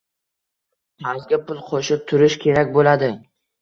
qarzga pul qo‘shib turish kerak bo‘ladi.